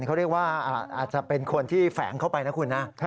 เขาเรียกว่าอาจจะเป็นคนที่แฝงเข้าไปนะคุณนะ